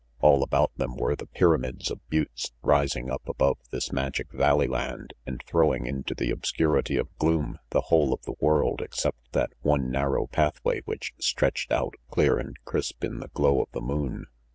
All about them were the pyramids of buttes, rising up above this magic valley land and throwing into the obscurity of gloom the whole of the world except that one narrow pathway which stretched out clear and crisp in the glow of the moon.